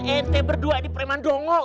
ente berdua di preman dong kok